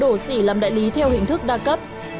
đổ xỉ làm đại lý theo hình thức đa cấp